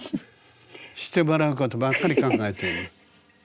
してもらうことばっかり考えてるの。